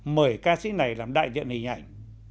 mời ca sĩ này làm đại diện hình ảnh